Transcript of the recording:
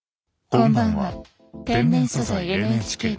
こんばんは。